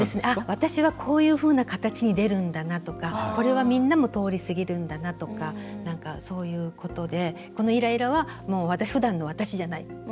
私は、こういうふうな形に出るんだなとかこれはみんなも通り過ぎるんだなとかそういうことで、このイライラはもうふだんの私じゃない。